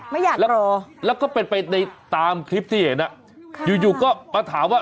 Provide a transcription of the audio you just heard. ไม่อยากรอแล้วก็เป็นไปในตามคลิปที่เห็นอ่ะอยู่อยู่ก็มาถามว่า